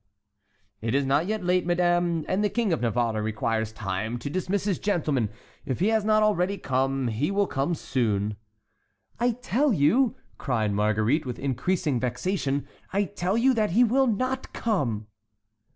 "It is not yet late, Madame, and the King of Navarre requires time to dismiss his gentlemen; if he has not already come, he will come soon." "And I tell you," cried Marguerite, with increasing vexation,—"I tell you that he will not come!"